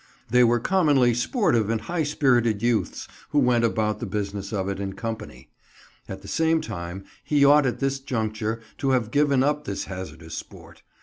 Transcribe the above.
They were commonly sportive and high spirited youths, who went about the business of it in company. At the same time, he ought at this juncture to have given up this hazardous sport.